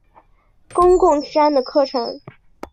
公共治安的课程。